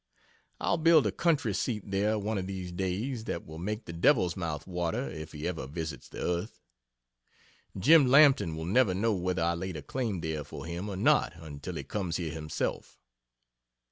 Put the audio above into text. I'll build a country seat there one of these days that will make the Devil's mouth water if he ever visits the earth. Jim Lampton will never know whether I laid a claim there for him or not until he comes here himself.